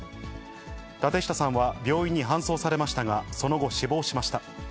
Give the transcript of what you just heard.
舘下さんは病院に搬送されましたが、その後、死亡しました。